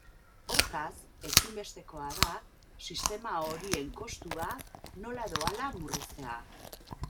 Hortaz, ezinbestekoa da sistema horien kostua nola edo hala murriztea.